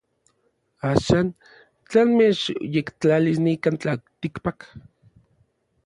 Axan tla machyektlalis nikan tlaltikpak.